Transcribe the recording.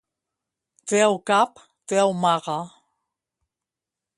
Treu cap, treu maga.